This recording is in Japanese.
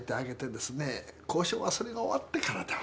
交渉はそれが終わってからでも。